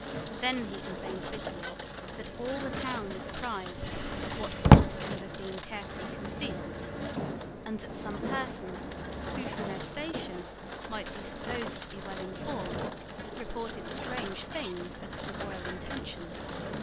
Then he complained bitterly that all the town was apprised of what ought to have been carefully concealed, and that some persons, who, from their station, might be supposed to be well informed, reported strange things as to the royal intentions.